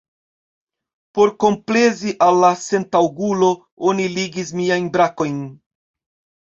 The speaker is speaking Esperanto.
Por komplezi al la sentaŭgulo, oni ligis miajn brakojn.